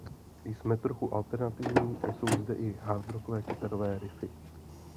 Jsme trochu alternativní a jsou zde i hardrockové kytarové riffy.